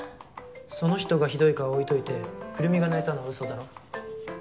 その人がひどいかは置いといてくるみが泣いたのは嘘だろ？